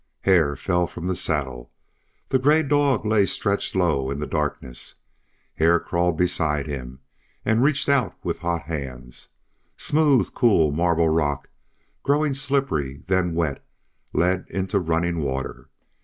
Hare fell from the saddle. The gray dog lay stretched low in the darkness. Hare crawled beside him and reached out with his hot hands. Smooth cool marble rock, growing slippery, then wet, led into running water.